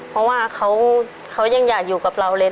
เพราะว่าเขายังอยากอยู่กับเราเลย